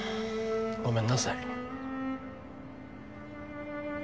ごめんなさい。